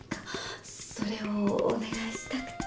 それをお願いしたくて。